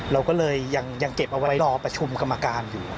เราก็เลยยังเก็บเอาไว้รอประชุมกรรมการอยู่